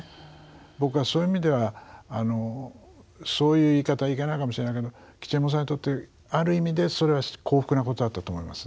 僕はそういう意味ではそういう言い方いけないかもしれないけど吉右衛門さんにとってある意味でそれは幸福なことだったと思いますね。